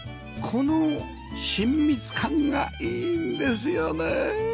この親密感がいいんですよね